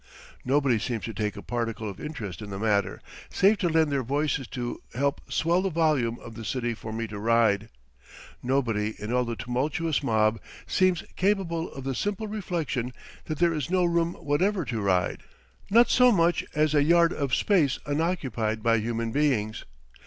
Nobody seems to take a particle of interest in the matter, save to lend their voices to help swell the volume of the cry for me to ride; nobody in all the tumultuous mob seems capable of the simple reflection that there is no room whatever to ride, not so much as a yard of space unoccupied by human beings.